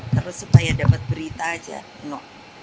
terus supaya dapat berita saja